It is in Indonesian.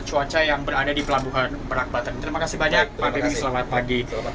cuaca yang berada di pelabuhan merak batan terima kasih banyak terima kasih selamat pagi selamat pagi